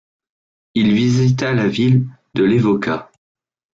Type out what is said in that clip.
Il visita la ville de Levoča.